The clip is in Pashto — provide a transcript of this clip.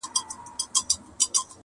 ګټه نسي کړلای دا دي بهانه ده,